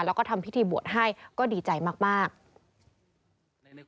แล้วก็ทำพิธีบวชให้ก็ดีใจมาก